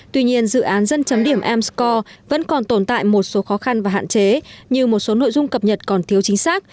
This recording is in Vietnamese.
tuy nhiên dự án dân chấm điểm m score vẫn còn tồn tại một số khó khăn và hạn chế như một số nội dung cập nhật còn thiếu chính xác